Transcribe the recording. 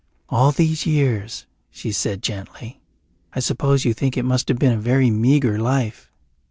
"All these years," she said gently, "I suppose you think it must have been a very meagre life?"